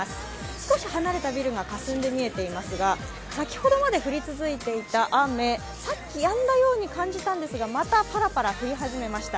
少し離れたビルがかすんで見えていますが先ほどまで降り続いていた雨、さっきやんだように感じたんですが、またパラパラ降り始めました。